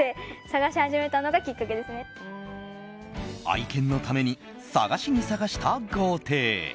愛犬のために探しに探した豪邸。